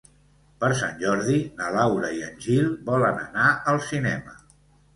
Per Sant Jordi na Laura i en Gil volen anar al cinema.